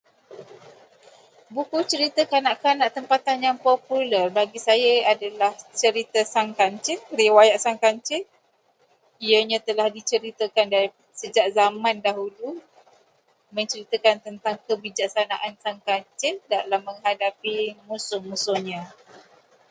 Buku cerita kanak-kanak tempatan yang popular bagi saya adalah cerita Sang Kancil, riwayat Sang Kancil. Ianya telah diceritakan sejak zaman dahulu, menceritakan tentang kebijaksaan sang kancil dalam menghadapi musuh-musuhnya.